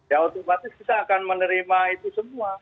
ya otomatis kita akan menerima itu semua